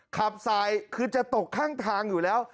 ขับสายคือจะตกข้างทางอยู่แล้ว